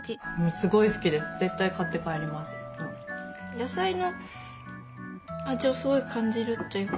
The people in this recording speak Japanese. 野菜の味をすごい感じるというか。